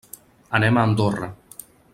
Anem a Andorra.